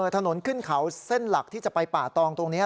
ถนนขึ้นเขาเส้นหลักที่จะไปป่าตองตรงนี้